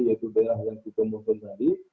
yaitu wilayah yang kita mohon tadi